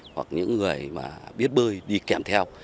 hoặc những người biết bơi đi kèm theo